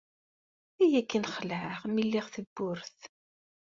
Ay akken xelɛeɣ mi d-lliɣ tawwurt!